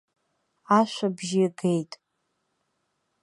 Ашә абжьы геит.